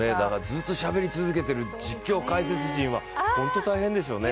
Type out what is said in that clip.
ずっとしゃべり続けている実況・解説陣は本当、大変でしょうね。